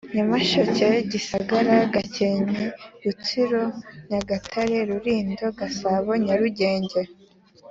Nyamasheke Gisagara Gakenke Rutsiro Nyagatare Rulindo Gasabo Nyarugenge